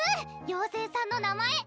妖精さんの名前！